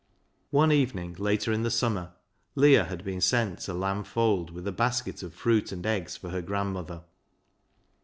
One evening later in the summer Leah had been sent to Lamb Fold with a basket of fruit and eggs for her grandmother.